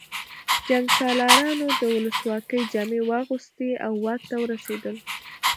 جنګسالارانو د ولسواکۍ جامې واغوستې او واک ته ورسېدل